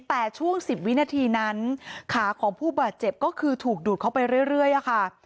แต่ช่วง๑๐วินาทีนั้นขาของผู้บาดเจ็บก็คือถูกดูดเข้าไปเรื่อยค่ะ